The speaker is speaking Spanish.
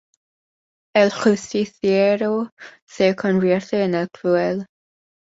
El Justiciero se convierte en el Cruel.